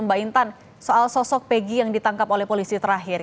mbak intan soal sosok peggy yang ditangkap oleh polisi terakhir